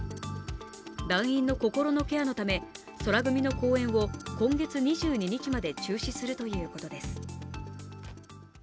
団員の心のケアのため、宙組の公演を今月２２日まで中止するということです。